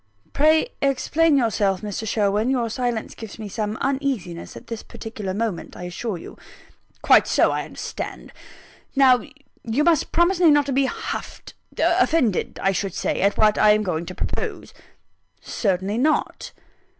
"Pray explain yourself, Mr. Sherwin. Your silence gives me some uneasiness at this particular moment, I assure you." "Quite so I understand. Now, you must promise me not to be huffed offended, I should say at what I am going to propose." "Certainly not."